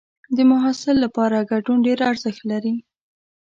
د محصل لپاره ګډون ډېر ارزښت لري.